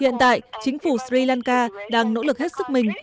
hiện tại chính phủ sri lanka đang nỗ lực hết sức mình